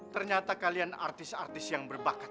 ternyata kalian artis artis yang berbakat